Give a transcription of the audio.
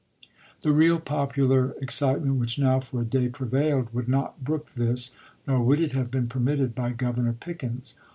The real popu lar excitement which now for a day prevailed would not brook this, nor would it have been permitted by Governor Pickens.